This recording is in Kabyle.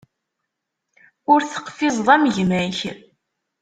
Ur teqfizeḍ am gma-k.